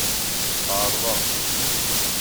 Tɛerḍem.